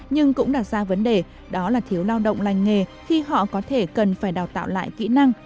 nhưng cũng đặt ra vấn đề đó là thiếu lao động lành nghề khi họ có thể cần phải đào tạo lại kỹ năng